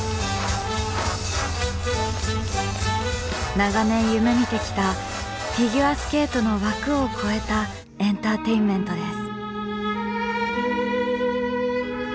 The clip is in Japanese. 長年夢みてきたフィギュアスケートの枠を超えたエンターテインメントです。